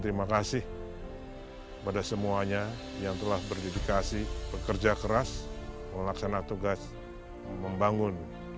terima kasih pada semuanya yang telah berdedikasi bekerja keras melaksanakan tugas membangun